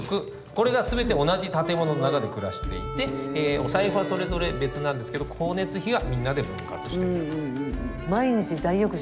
これが全て同じ建物の中で暮らしていてお財布はそれぞれ別なんですけど光熱費はみんなで分割していると。